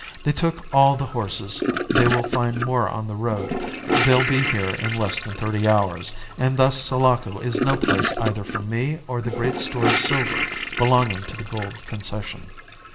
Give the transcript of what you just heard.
They took all the horses; they will find more on the road; they'll be here in less than thirty hours, and thus Sulaco is no place either for me or the great store of silver belonging to the Gould Concession.